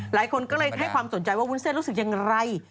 หลายคนก็เลยให้ความสนใจว่าวุ้นเส้นรู้สึกอย่างไร